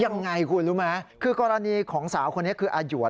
ยังไงคุณรู้ไหมคือกรณีของสาวคนนี้คืออาหยวน